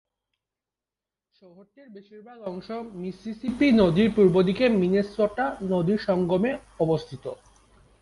শহরটির বেশিরভাগ অংশ মিসিসিপি নদীর পূর্বদিকে মিনেসোটা নদীর সঙ্গমে অবস্থিত।